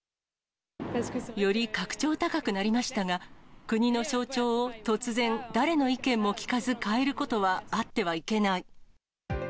より格調高くなりましたが、国の象徴を突然、誰の意見も聞かず変えることはあってはいけない。